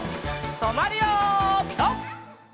とまるよピタ！